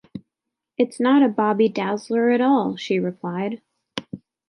“It’s not a bobby-dazzler at all!” she replied.